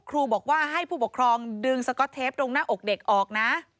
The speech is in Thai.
ครูบอกว่าให้ผู้ปกครองดึงสก๊อตเทปตรงหน้าอกเด็กออกนะ